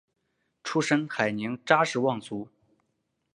出身海宁查氏望族。